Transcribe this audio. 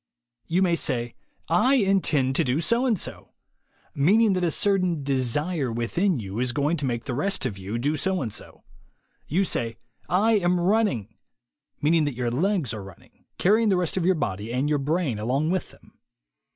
You say, "I intend to do so and so," — meaning that a certain desire within you is going to make the rest of you do so and so. You say, "I am run ning," — meaning that your legs are running, carry ing the rest of your body and your brain along with them.